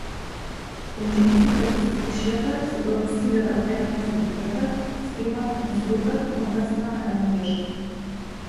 Речениците во состишјата се балансираат едната со другата, стремат кон строга, контрастна рамнотежа.